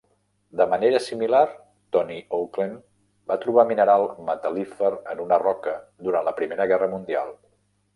De manera similar, Tony Oklend va trobar mineral metal·lífer en una roca durant la Primera Guerra Mundial.